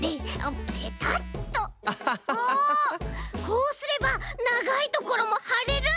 こうすればながいところもはれる！